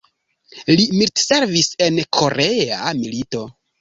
Li militservis en Korea milito.